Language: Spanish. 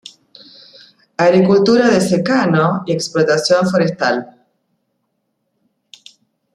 Agricultura de secano y explotación forestal.